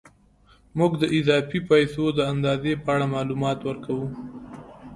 موږ د اضافي پیسو د اندازې په اړه معلومات ورکوو